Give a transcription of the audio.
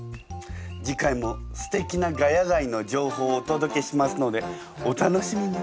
次回もすてきな「ヶ谷街」の情報をおとどけしますのでお楽しみに。